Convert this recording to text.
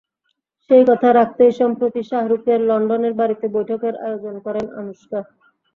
সেই কথা রাখতেই সম্প্রতি শাহরুখের লন্ডনের বাড়িতে বৈঠকের আয়োজন করেন আনুশকা।